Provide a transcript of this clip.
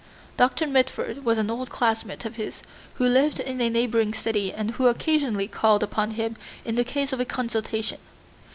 Doctor Mitford was an old classmate of his who lived in a neighboring city and who occasionally called upon him in the case of a consultation.